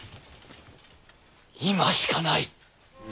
今しかない。